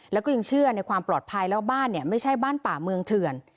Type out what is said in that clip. แล้วก็ยังเชื่อในความปลอดภัยแล้วบ้านเนี่ยไม่ใช่บ้านป่าเมืองเถื่อน